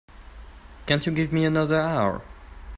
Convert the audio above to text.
Can't you give me another hour?